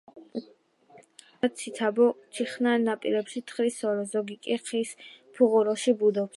ზოგი მდინარისპირა ციცაბო თიხნარ ნაპირებში თხრის სოროს, ზოგი კი ხის ფუღუროში ბუდობს.